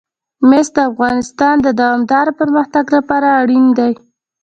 مس د افغانستان د دوامداره پرمختګ لپاره اړین دي.